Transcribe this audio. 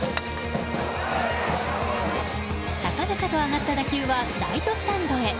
高々と上がった打球はライトスタンドへ。